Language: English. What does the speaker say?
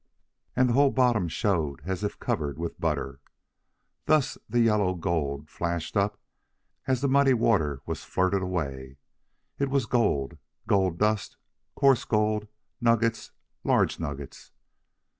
And the whole bottom showed as if covered with butter. Thus the yellow gold flashed up as the muddy water was flirted away. It was gold gold dust, coarse gold, nuggets, large nuggets.